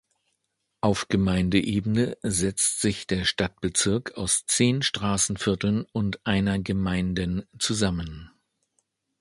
Auf Gemeindeebene setzt sich der Stadtbezirk aus zehn Straßenvierteln und einer Gemeinden zusammen.